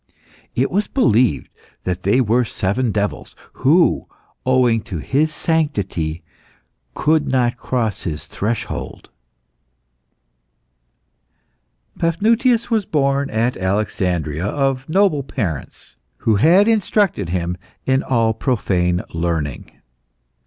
It was believed that they were seven devils, who, owing to his sanctity, could not cross his threshold. Paphnutius was born at Alexandria of noble parents, who had instructed him in all profane learning.